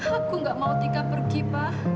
aku gak mau tiga pergi pak